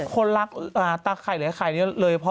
คนลักตาไข่เหลือไข่นี้เลย